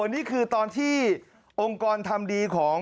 นี่คือตอนที่องค์กรทำดีของ